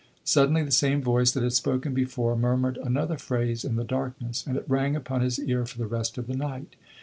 Suddenly the same voice that had spoken before murmured another phrase in the darkness, and it rang upon his ear for the rest of the night.